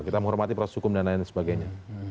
kita menghormati proses hukum dan lain sebagainya